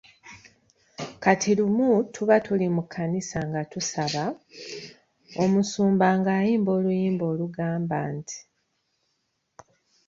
Kati lumu tuba tuli mu kkanisa nga tusaba, omusumba ng'ayimba oluyimba olugamba nti.